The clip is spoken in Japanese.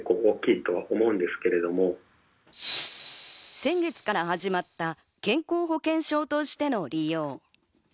先月から始まった健康保険証としての利用。